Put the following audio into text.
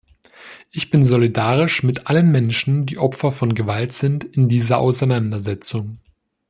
Ich bin solidarisch mit allen Menschen, die Opfer von Gewalt sind in dieser Auseinandersetzung.